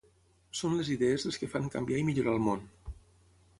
Són les idees les que fan canviar i millorar el món.